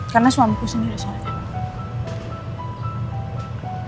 karena suamiku sendiri salah